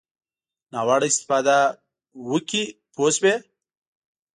ناوړه استفاده وکړي پوه شوې!.